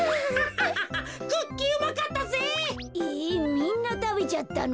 みんなたべちゃったの？